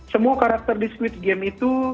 semua karakter di squid game itu